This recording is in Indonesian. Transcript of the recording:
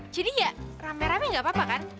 ya rame rame gak apa apa kan